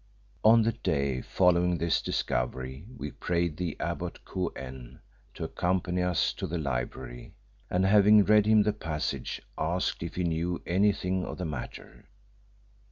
On the day following this discovery we prayed the abbot, Kou en, to accompany us to the library, and having read him the passage, asked if he knew anything of the matter.